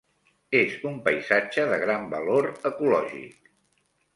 És un paisatge de gran valor ecològic.